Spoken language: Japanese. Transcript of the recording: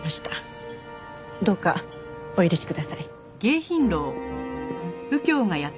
どうかお許しください。